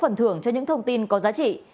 và sẽ có phần thưởng cho những thông tin có giá trị